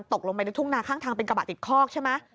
ตกลงไปในทุ่งนาข้างทางเป็นกระบะติดคอกใช่ไหม